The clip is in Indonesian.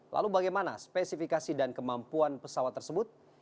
lalu bagaimana spesifikasi dan kemampuan pesawat tersebut